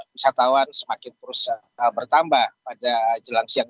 wisatawan semakin terus bertambah pada jelang siang